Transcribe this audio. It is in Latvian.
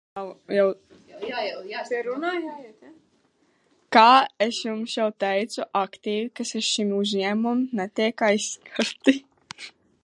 Kā es jums jau teicu, aktīvi, kas ir šim uzņēmumam, netiek aizskarti.